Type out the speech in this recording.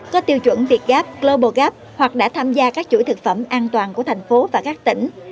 có tiêu chuẩn việt gap global gap hoặc đã tham gia các chuỗi thực phẩm an toàn của thành phố và các tỉnh